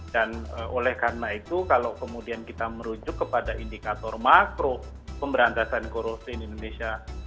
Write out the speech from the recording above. dan oleh karena itu kalau kemudian kita merujuk kepada indikator makro pemberantasan korupsi di indonesia